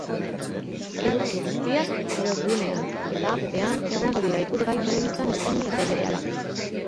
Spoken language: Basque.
Eduki guztiak webgunean eta app-an egongo dira ikusgai telebistan eskaini eta berehala.